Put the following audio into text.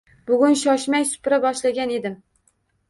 Bugun shoshmay supura boshlagan edim…